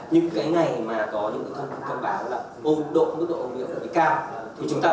những cái ngày mà có những thông tin thông báo là ô độ mức độ ô nhiễm không khí cao